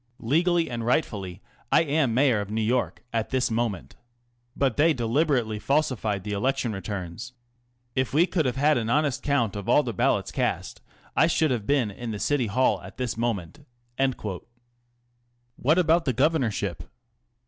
Legally and rightfully I am Mayor of New York at this moment. But they deliberately falsified the election returns. If we could have had an honest count of all the ballots cast I should have been in the City Hall at this moment." " But the Governorship